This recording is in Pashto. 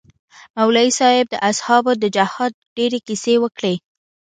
مولوي صاحب د اصحابو د جهاد ډېرې کيسې وکړې.